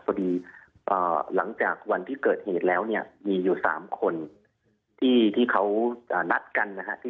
พอดีหลังจากวันที่เกิดเหตุแล้วเนี่ยมีอยู่๓คนที่เขานัดกันนะฮะ